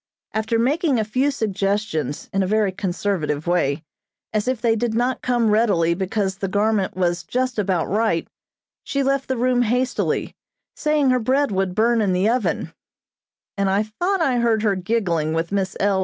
After making a few suggestions in a very conservative way, as if they did not come readily because the garment was just about right; she left the room hastily, saying her bread would burn in the oven; and I thought I heard her giggling with Miss L.